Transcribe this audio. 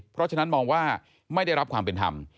เพราะฉะนั้นมองว่าไม่ได้รับความเป็นธรรม